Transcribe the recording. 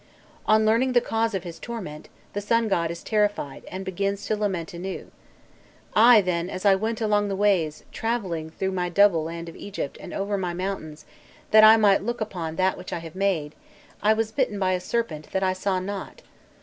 On learning the cause of his torment, the Sun god is terrified, and begins to lament anew: "I, then, as I went along the ways, travelling through my double land of Egypt and over my mountains, that I might look upon that which I have made, I was bitten by a serpent that I saw not.